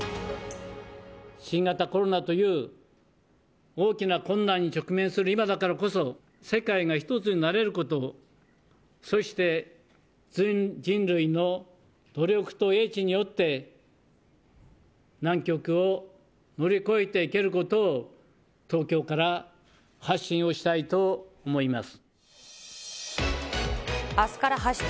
新型コロナという大きな困難に直面する今だからこそ、世界が一つになれることを、そして人類の努力と英知によって、難局を乗り越えていけることを、東京から発信をしたいと思います。